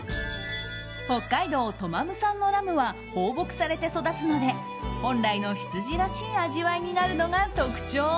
北海道トマム産のラムは放牧されて育つので本来のヒツジらしい味わいになるのが特徴。